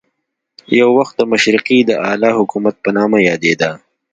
یو وخت د مشرقي د اعلی حکومت په نامه یادېده.